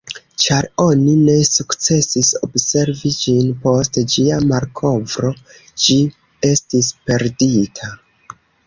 Ĉar oni ne sukcesis observi ĝin post ĝia malkovro, ĝi estis perdita.